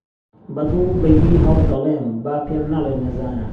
بە دڵ بە وی هەڵدەڵێم با پێم نەڵێ نەزانە